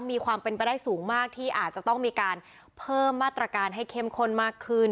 มีความเป็นไปได้สูงมากที่อาจจะต้องมีการเพิ่มมาตรการให้เข้มข้นมากขึ้น